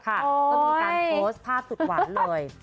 ก็มีการโพสต์ภาพสุดหวานเลย